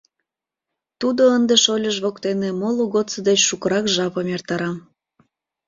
Тудо ынде шольыж воктене моло годсо деч шукырак жапым эртара.